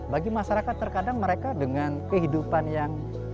bagi masyarakat terkadang mereka dengan kehidupan yang